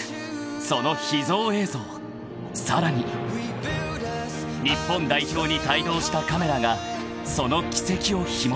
［その秘蔵映像さらに日本代表に帯同したカメラがその軌跡をひもとく］